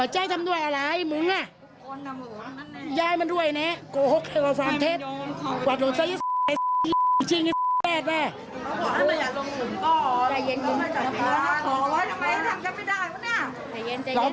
ใจเย็นจัง